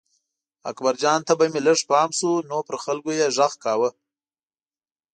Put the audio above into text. اکبرجان ته به چې لږ پام شو نو پر خلکو یې غږ کاوه.